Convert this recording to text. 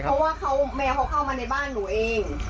เพราะว่าแมวเขาเข้ามาในบ้านหนูเอง